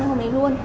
làm đấy luôn